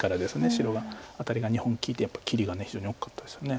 白がアタリが２本利いてやっぱ切りが非常に大きかったですよね。